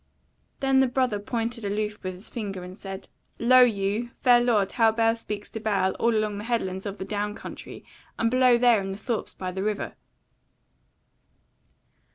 Then the brother pointed aloof with his finger and said: "Lo you! fair lord, how bale speaks to bale all along the headlands of the down country, and below there in the thorps by the river!"